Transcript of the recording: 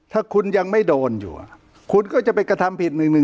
ถ้าคุณยังไม่โดนอยู่คุณก็จะไปกระทำผิด๑๑๒